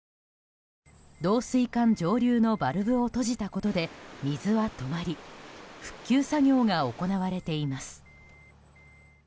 導水管上流のバルブを閉じたことで水は止まり復旧作業が行われています。